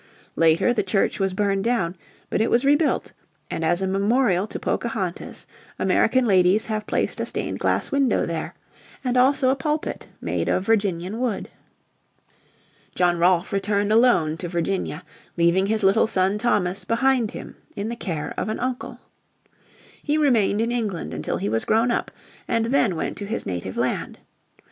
Later the Church was burned down, but it was rebuilt, and as a memorial to Pocahontas American ladies have placed a stained glass window there, and also a pulpit made of Virginian wood. John Rolfe returned alone to Virginia, leaving his little son Thomas behind him in the care of an uncle. He remained in England until he was grown up, and then went to his native land.